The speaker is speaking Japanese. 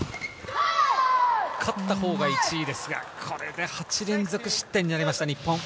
勝ったほうが１位ですが、これで８連続失点となりました、日本。